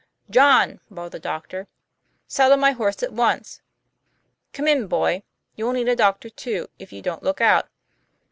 "John! ' bawled the doctor, "saddle my horse at once. Come in, boy; you'll need a doctor, too, if you don't look out.